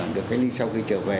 được cách ly sau khi trở về